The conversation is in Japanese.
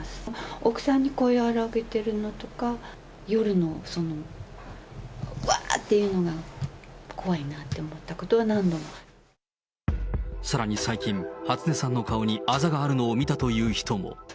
奥さんに声を荒らげているのとか、夜のわーっていうのが、さらに最近、初音さんの顔にあざがあるのを見たという人も。